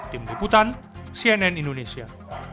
tim liputan cnn indonesia